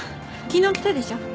昨日来たでしょ？